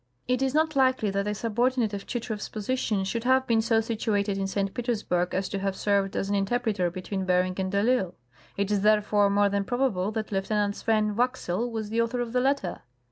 It is not likely that a subordinate of Chitrow's position should have been so situated in St. Petersburg as to have served as an interpreter between Bering and de I'Isle. It is therefore more than probable that Lieutenant Swen Waxel was the author of the letter.